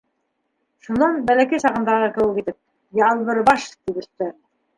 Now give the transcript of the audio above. Шунан, бәләкәй сағындағы кеүек итеп: — Ялбыр баш! — тип өҫтәне.